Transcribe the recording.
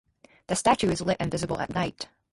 The statue is lit and visible at night.